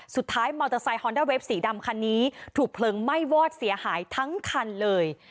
สุดท้ายมอเตอร์ไซค์ฮอนด้าเวฟสีดำคันนี้ถูกเพลิงไหม้วอดเสียหายทั้งคันเลย